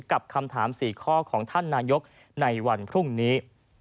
กับคำถาม๔ข้อของท่านนายกในวันพรุ่งนี้